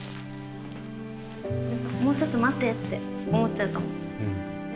もうちょっと待ってって思っちゃうかも・